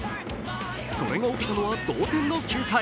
それが起きたのは同点の９回。